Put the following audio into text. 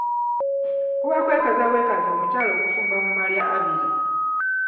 Kuba kwekaza bwekaza omukyala okufumba mu malya abiri.